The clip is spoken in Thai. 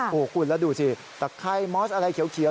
โถค้นแล้วดูสิตะไครมอสอะไรเขียว